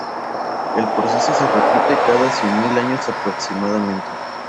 El proceso se repite cada cien mil años aproximadamente.